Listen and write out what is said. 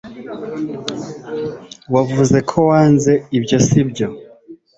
Wavuze ko wanze ibyo sibyo